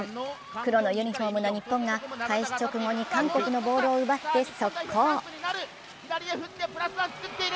黒のユニフォームの日本が開始直後に韓国のボールを奪って速攻。